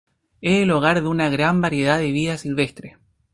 Es el hogar de una gran variedad de vida silvestre.